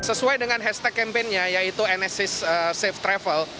sesuai dengan hashtag kampennya yaitu enesis safe travel